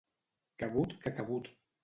Cabut que cabut.